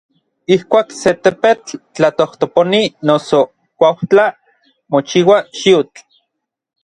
Ijkuak se tepetl tlatojtoponi noso kuaujtla mochiua xiutl.